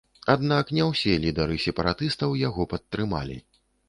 Аднак не ўсе лідары сепаратыстаў яго падтрымалі.